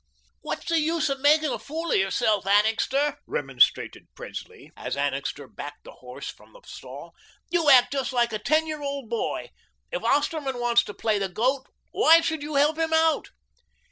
"What's the use of making a fool of yourself, Annixter?" remonstrated Presley, as Annixter backed the horse from the stall. "You act just like a ten year old boy. If Osterman wants to play the goat, why should you help him out?"